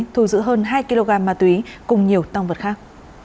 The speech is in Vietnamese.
thu giữ hơn hai kg ma túy cùng nhiều tăng vật khác